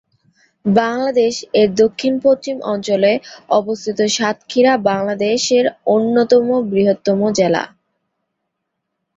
বাংলাদেশ এর দক্ষিণ পশ্চিম অঞ্চলে অবস্থিত সাতক্ষীরা বাংলাদেশ এর অন্যতম বৃহত্তম জেলা।